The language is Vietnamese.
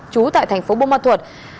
chú tại thành phố bông ma thuột